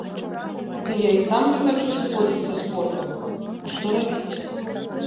Ды я і сам не хачу сыходзіць са спорту, а што рабіць?